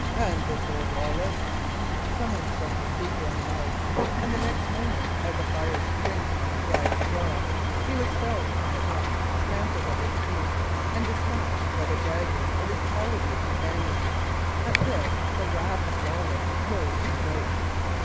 And this old Lawless " Someone struck the speaker on the mouth, and the next moment, as a fire springs among dry straw, he was felled upon the deck, trampled under the feet, and despatched by the daggers of his cowardly companions. At this the wrath of Lawless rose and broke.